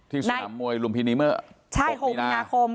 ที่สนามมวยหลมพินิเมอร์๖มีนาคม